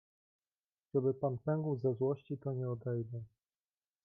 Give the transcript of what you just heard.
"Żeby pan pękł ze złości to nie odejdę."